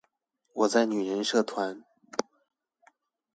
我在女人社團